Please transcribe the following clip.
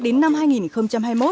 đến năm hai nghìn hai mươi một